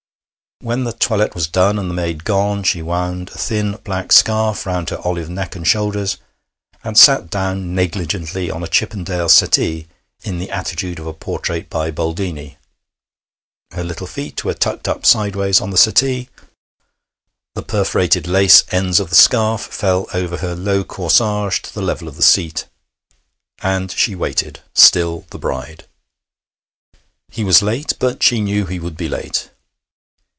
When the toilette was done, and the maid gone, she wound a thin black scarf round her olive neck and shoulders, and sat down negligently on a Chippendale settee in the attitude of a portrait by Boldini; her little feet were tucked up sideways on the settee; the perforated lace ends of the scarf fell over her low corsage to the level of the seat. And she waited, still the bride. He was late, but she knew he would be late.